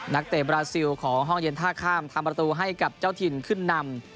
เตะบราซิลของห้องเย็นท่าข้ามทำประตูให้กับเจ้าถิ่นขึ้นนำ